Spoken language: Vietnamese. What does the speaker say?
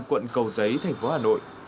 quận cầu giấy thành phố hà nội